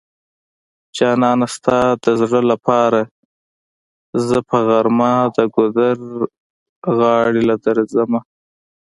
جانانه ستا د زړه لپاره زه په غرمه د ګودر غاړی له درځمه